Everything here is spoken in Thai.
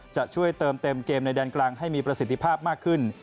จะช่วยเติมเต็มเกมในแดนกลางให้มีประสิทธิภาพมากขึ้น